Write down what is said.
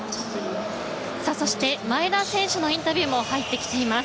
そして前田選手のインタビューも入ってきています。